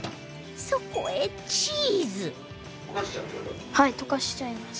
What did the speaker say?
そこへチーズ溶かしちゃうって事？